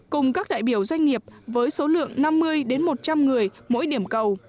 cùng các đại biểu doanh nghiệp với số lượng năm mươi một trăm linh người mỗi điểm cầu